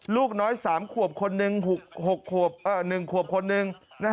ลูกน้อย๓ขวบคนหนึ่ง๖ขวบ๑ขวบคนหนึ่ง